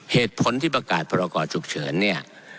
เหตุผลที่ประกาศพรกรฉุกเฉินเนี่ย